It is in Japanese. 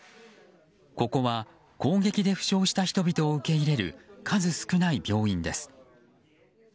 ここは攻撃で負傷した人々を受け入れる数少ない病院です。